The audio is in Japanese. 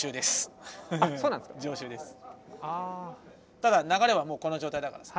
ただ流れはもうこの状態だからさ。